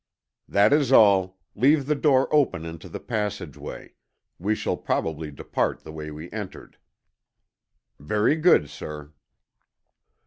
"That is all. Leave the door open into the passageway. We shall probably depart the way we entered." "Very good, sir."